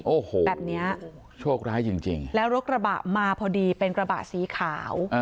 โอ้โหโชคล้ายจริงแล้วรถกระบะมาพอดีเป็นกระบะสีขาว